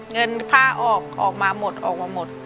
เงินค่าออกมาหมดออกมาหมด